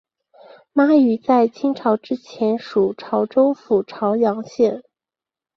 妈屿在清朝之前属潮州府潮阳县。